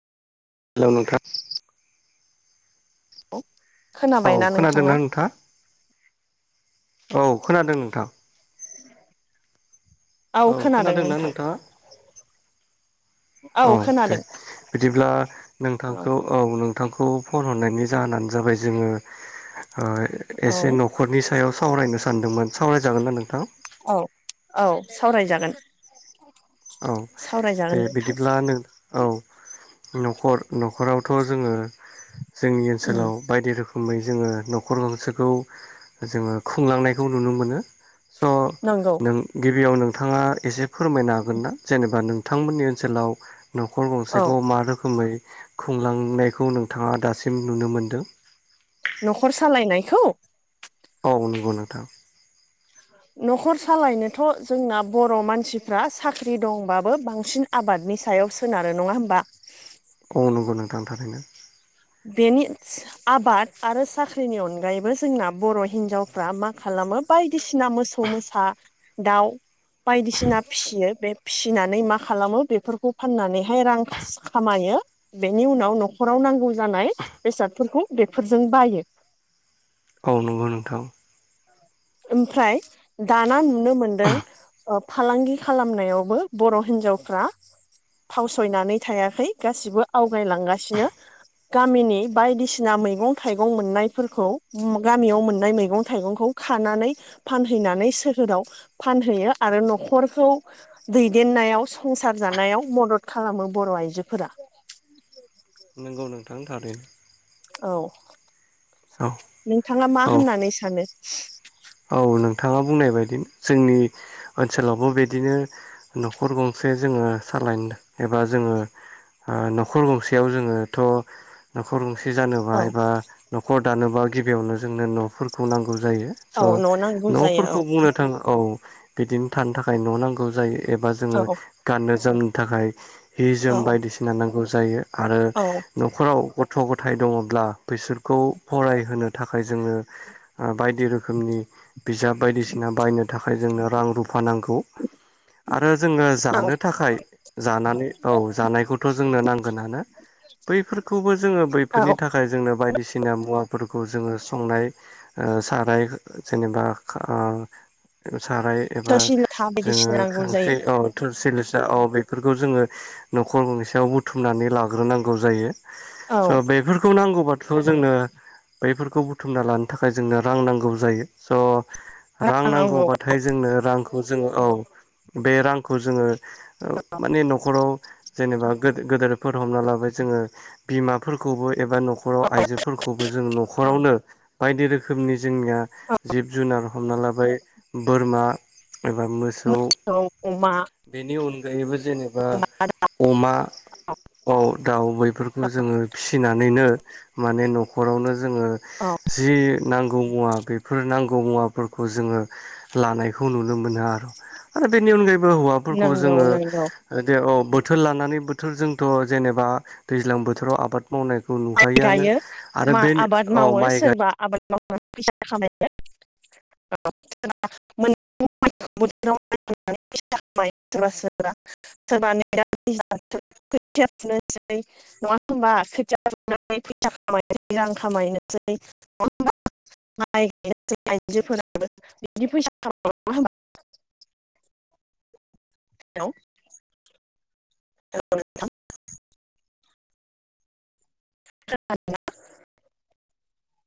[unintelligible] औ औ खोनादोंना नोंथाङा औ खोनादों नोंथां औ खोनादों खोनादोंना नोंथां नोंथाङा औ दे बिदिब्ला नोंथांखौ औ नों नोथांखौ फन हरनायनि जाहोनानो जाबाय जोङो औ एसे न'खरनि सायाव सावरायनो सानदोंमोन सावरायजागोन ना नोंथां? औ औ सावरायजागोन? औ दे सावरायजागोन नोंथां बिदिबब्ला। औ न'खर न'खराव थ' जोङो जोंनि उम ओनसोलाव बायदि रोखोमनि जोङो न'खर गंसेखौ जोङो खुंलांनायखौ नुनो मोनो। स' नंगौ नों गिबियाव नोंथाङा एसे फोरमायनो हागोन ना? जेनेबा नों बिथांमोननि ओनसोलाव न'खर औ गंसेखौ मा रोखोमै खुंलांनायखौ नोंथाङा दासिम नुनो मोनदों? न'खर सालायनायखौ? औ नंगौ नोंथां। न'खर सालायनोथ' जोंना बर' मानसिफ्रा साख्रि दंबाबो बांसिन आबाद नि सायाव सोनारो नङा होमबा? औ नंगौ नोंथां थारैनो बेनि आबाद आरो साख्रिनि अनगायैबो जोंना बर' हिनजावफ्रा मा खालामो बायदिसिना मोसौ मोसा दाउ बायदिसिना फिसिनो बे फिसिनानै मा खालामो बेफोरखौ फाननानैहाय रां खामायो बेनि उनाव न'खराव नांगौ जानाय बेसादफोरखौ बेफोरजों बायो औ नंगौ नोंथां। ओमफ्राय दाना नुनो मोनदों। फालांगि खालामनायावबो बर' हिनजाव हिनजावफ्रा फावसयनानै थायाखै गासिबो आवगायलांगासिनो। गामिनि बायदिसिना मैगं थाइगं मोननायफोरखौ गामियाव मोननाय मैगं थाइगंखौ खानानै फानहैनानै सोहोराव फानहैयो आरो न'खरखौ दैदेन नायाव संसार जानायाव मदद खालामो बर' आइजोफोरा [inaudible] [inaudible] औ! औ नोंथाङा मा औ होननानै सानो? औ नोंथाङा बुंनाय बायदि जोंनि ओनसोलावबो बिदिनो न'खर गंसे जोङो सालायनो एबा जोङो न'खर गंसेयाव जोङोथ' न'खर गंसे जानोबा औ एबा न'खर दानोबा गिबियावनो जोंनो न'फोरखौ नांगौ जायो। औ न' स' नांगौ जायो औ न'फोरखौ बुंनो थाङोबा औ! बिदिनो थानो थाखाय न' नांगौ जायो एबा जोङो औ गाननो जोमनो थाखाय हि जोम औ बायदिसिना नांगौ जायो आरो औ न'खराव गथ' गथाय दङब्ला। बिसोरखौ फरायहोनो थाखाय जोङो बायदि रोखोमनि बिजाब बायदिसिना बायनो थाखाय जोंनो रां रुफा नांगौ। आरो जोङो औ जानो थाखाय जानानै औ जानायखौथ' जोंनो नांगोनानो। बैफोरखौबो जोङो बैफोरनि औ थाखाय जोंनो बायदिसिना बायसिना मुवाफोरखौ जोङो संनाय सारायाव। जेनेबा साराय एबा थोरसि लथा जोङो बायदिसिना नांगौ जायो खांख्रि औ थोरसि लसा औ बेफोरखौ बेखौ जोङो न'खर गंसेयाव बुथुमनानै लाग्रोनांगौ औ जायो। बेफोरखौ नांगौ आबादखौ जोंनो बफोरखौ बुथुमना लानो थाखाय जोंनो रां नांगौ जायो स' रां नांगौबाथाय जोंनो रांखौ जोङो औ बे रांखौ जोङो माने न'खराव,, जेनेबा गोदोरफोर हमना लाबो जोङो -बिमाफोरखौबो एबा न'खराव आइजोफोरखौबो जों न'खरावनो बायदि रोखोमनि जोंनिया,, जिब जुनार हमना लाबाय बोरमा, एबा मोसौ औ अमा बेनि अनगायैबो,, जेनेबा अमा दाउ बैफोरखौ जोङो फिसि,, फिसिनानैनो माने न'खरावनो जोङो औ जि नांगौ मुवा बे फोर नांगौ मुवाफोरखौ जोङो लानायखौ नुनो मोनो आरो आरो बेनि अनगायैबो हौवाफोरखौ नंगौ जोङो नंगौ औ बोथोर लानानै बोथोर जोंथ' जेनेबा दैज्लां बोथोराव आबाद मावनाय खौ नुखायोआनो गायो आरो मा बे आबाद औ मावो माइ गाय [unintelligible] [unintelligible] [unintelligible] [unintelligible] [unintelligible] [inaudible] [unintelligible] [unintelligible] [unintelligible]